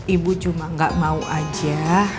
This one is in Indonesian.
ibu cuma nggak mau aja